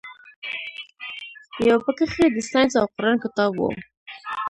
يو پکښې د ساينس او قران کتاب و.